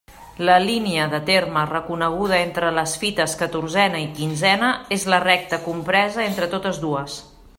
La línia de terme reconeguda entre les fites catorzena i quinzena és la recta compresa entre totes dues.